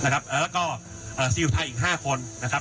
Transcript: แล้วก็ซิลไทยอีก๕คนนะครับ